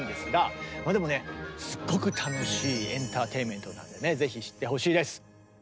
でもねすごく楽しいエンターテインメントなんでね是非知ってほしいです！